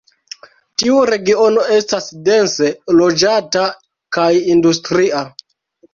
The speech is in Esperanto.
Tiu regiono estas dense loĝata kaj industria.